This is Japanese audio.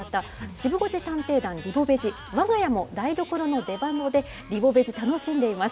シブ５時探偵団、リボベジ、わが家も台所の出窓でリボベジ、楽しんでいます。